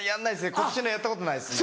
今年のやったことないですね。